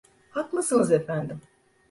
Haklısınız efendim.